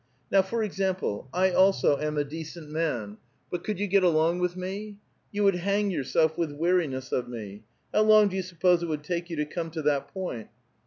Now, for example, I also am a decent man, but could you get along with me? You would hang your self with weariness of me ; how long do you suppose it would take you to come to that point